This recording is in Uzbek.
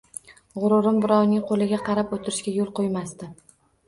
G‘ururim birovning qo‘liga qarab o‘tirishga yo‘l qo‘ymasdi